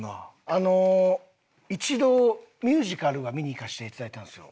あの一度ミュージカルは見に行かせていただいたんですよ。